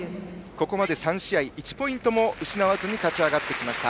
ここまで３試合１ポイントも失わずに勝ち上がってきました。